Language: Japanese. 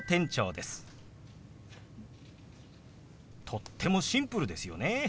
とってもシンプルですよね。